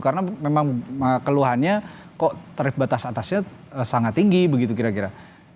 karena memang keluhannya kok tarif batas atasnya sangat tinggi begitu kira kira